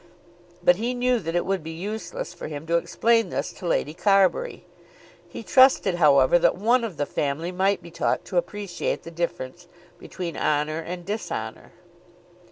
But he knew that it would be useless for him to explain this to Lady Carbury. He trusted, however, that one of the family might be taught to appreciate the difference between honour and dishonour.